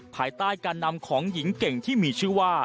ภายใต้การนำของหญิงเก่งที่มีชื่อว่า